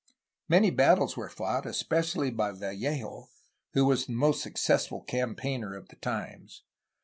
Many battles were fought, especially by Vallejo, who was the most successful campaigner of the times.